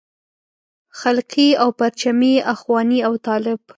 خلقي او پرچمي اخواني او طالب.